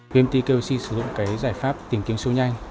vnpt ekyc sử dụng giải pháp tìm kiếm sâu nhanh